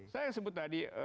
saya sebut tadi